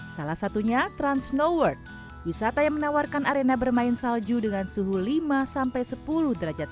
salah satunya transnoworld wisata yang menawarkan arena bermain salju dengan suhu lima sepuluh derajat